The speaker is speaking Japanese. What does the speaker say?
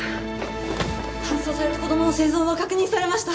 搬送された子供の生存は確認されました。